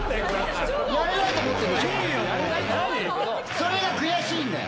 それが悔しいんだよ。